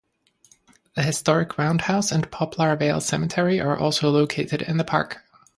The historic round house and Poplar Vale Cemetery are also located in the park.